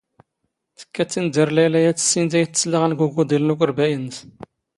ⵜⴽⴽⴰ ⵜⵜ ⵉⵏⵏ ⴷⴰⵔ ⵍⴰⵢⵍⴰ ⵢⴰⵜ ⵙⵙⵉⵏⵜⴰ ⵉⵜⵜⵙⵍⴰⵖⵏ ⴳ ⵓⴳⵓⴹⵉⵍ ⵏ ⵓⴽⵔⴱⴰⵢ ⵏⵏⵙ.